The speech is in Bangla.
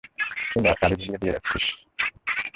যে কাঁধে ঝুলিয়ে নিয়ে যাচ্ছিস?